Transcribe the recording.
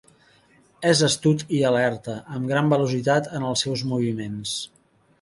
És astut i alerta, amb gran velocitat en els seus moviments.